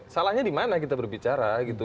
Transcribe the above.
salahnya dimana kita berbicara gitu